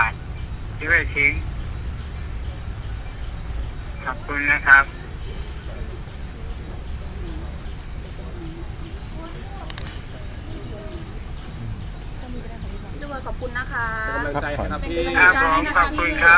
พี่เบิร์ดขอบคุณนะคะขอบคุณครับสวัสดีครับ